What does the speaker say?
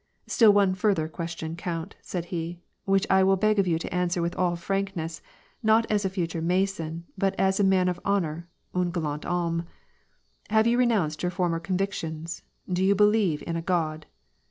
*' Still one further question, count," said he, " which I will beg of you to answer with all frankness, not as a future Mason, but as a man of honor (i/n galant homme) : Have you re nounced your former convictions ? Do you believe in a God